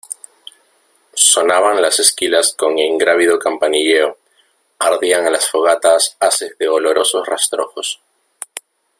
sonaban las esquilas con ingrávido campanilleo, ardían en las fogatas haces de olorosos rastrojos ,